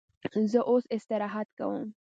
زه اوس استراحت کوم.